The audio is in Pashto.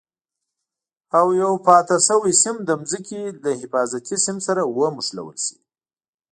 او یو پاتې شوی سیم د ځمکې له حفاظتي سیم سره ونښلول شي.